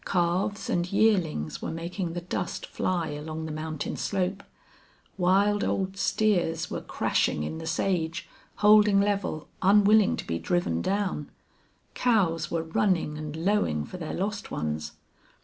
Calves and yearlings were making the dust fly along the mountain slope; wild old steers were crashing in the sage, holding level, unwilling to be driven down; cows were running and lowing for their lost ones.